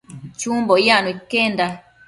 Chumbo yacno iquenda